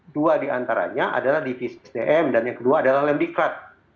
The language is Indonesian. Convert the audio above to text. dua diantaranya adalah divisi sdm dan yang kedua adalah lembikrat